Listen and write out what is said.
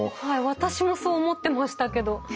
私もそう思ってましたけど。